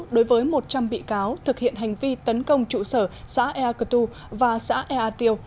đối với một trăm linh bị cáo thực hiện hành vi tấn công trụ sở xã ea cơ tu và xã ea tiêu